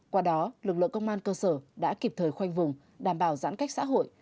qua đó lực lượng công an cơ sở đã kịp thời khoanh vùng đảm bảo giãn cách xã hội